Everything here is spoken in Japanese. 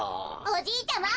おじいちゃま。